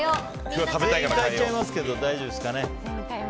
全員変えちゃいますけど大丈夫ですかね。